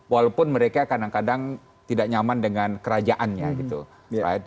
walaupun mereka kadang kadang tidak nyaman dengan kerajaannya gitu